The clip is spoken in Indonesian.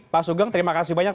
pak sugeng terima kasih banyak